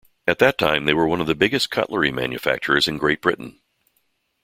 At that time they were one of the biggest cutlery manufacturers in Great Britain.